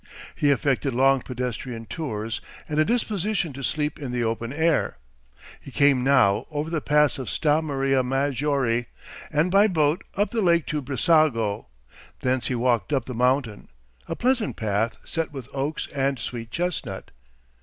He affected long pedestrian tours and a disposition to sleep in the open air. He came now over the Pass of Sta Maria Maggiore and by boat up the lake to Brissago; thence he walked up the mountain, a pleasant path set with oaks and sweet chestnut.